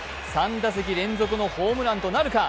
３打席連続のホームランとなるか。